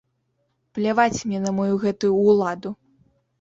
Пляваць мне на маю гэтую ўладу.